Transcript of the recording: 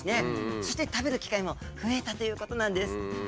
そして食べる機会も増えたということなんです。